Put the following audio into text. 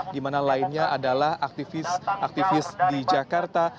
di mana lainnya adalah aktivis aktivis di jakarta